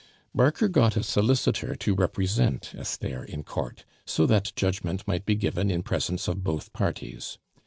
Barker got a solicitor to represent Esther in court, so that judgment might be given in presence of both parties.